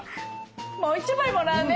もう１枚もらうね。